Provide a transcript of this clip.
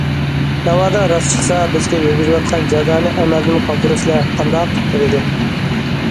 ناۋادا راست چىقسا بىزگە يۈرگۈزۈۋاتقان جازانى ئەمەلدىن قالدۇرۇلىسىلەر، قانداق؟ دېدى.